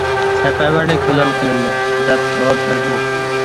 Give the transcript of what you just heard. -سەپەرۋەرلىك ئېلان قىلىندى، -دەپ جاۋاب بەردى ئۇ.